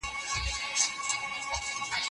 حضرت عمر څه پوښتنه وکړه؟